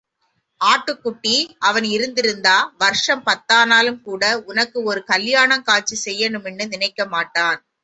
ஆட்டுக்குட்டி...... அவன் இருந்திருந்தா, வருஷம் பத்தானாலும்கூட உனக்கு ஒரு கல்யாணங் காச்சி செய்யனுமின்னு நெனைக்க மாட்டான்.